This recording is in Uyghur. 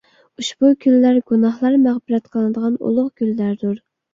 ئۇشبۇ كۈنلەر گۇناھلار مەغپىرەت قىلىنىدىغان ئۇلۇغ كۈنلەردۇر.